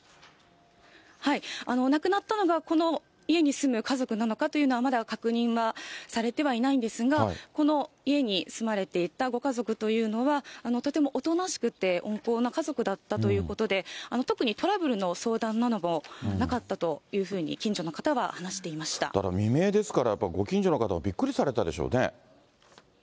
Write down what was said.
亡くなったのがこの家に住む家族なのかというのは、まだ確認はされてはいないんですが、この家に住まれていたご家族というのは、とてもおとなしくて、温厚な家族だったということで、特にトラブルの相談などもなかったというふうに、だから未明ですから、やっぱりご近所の方もびっくりされたでしょうね。